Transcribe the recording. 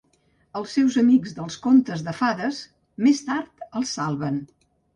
Els seus amics dels contes de fades, més tard, els salven.